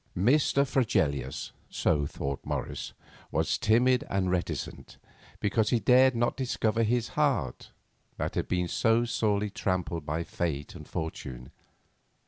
Mr. Fregelius, so thought Morris, was timid and reticent, because he dared not discover his heart, that had been so sorely trampled by Fate and Fortune.